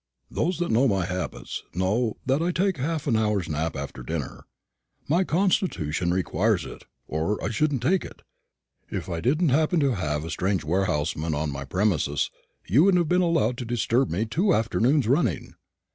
"Those that know my habits know that I take half an hour's nap after dinner. My constitution requires it, or I shouldn't take it. If I didn't happen to have a strange warehouseman on my premises, you wouldn't have been allowed to disturb me two afternoons running."